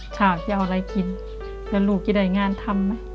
เช้าจะเอาอะไรกินแล้วลูกจะได้งานทำไหม